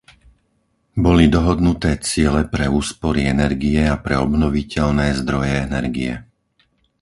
Boli dohodnuté ciele pre úspory energie a pre obnoviteľné zdroje energie.